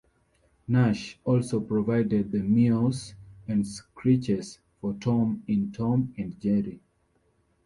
Nash also provided the meows and screeches for Tom in Tom and Jerry.